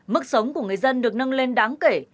mức sống của người dân được nâng lên đáng kể